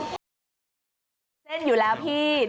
เส้นอยู่แล้วพี่